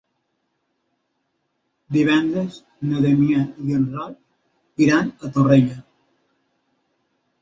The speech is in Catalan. Divendres na Damià i en Roc iran a Torrella.